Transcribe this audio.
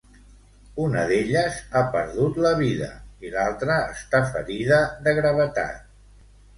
Una d'elles ha perdut la vida i l'altra està ferida de gravetat.